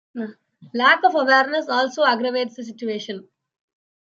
Lack of awareness also aggravates the situation.